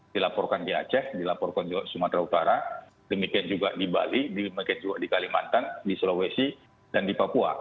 dilaporkan di aceh dilaporkan juga sumatera utara demikian juga di bali demikian juga di kalimantan di sulawesi dan di papua